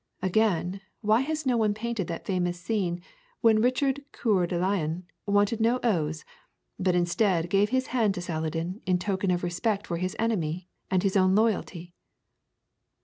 Again, why has no one painted that famous scene when Richard Coeur de Lion wanted no oaths, but instead gave his hand to Saladin in token of respect for his enemy and his own loyalty?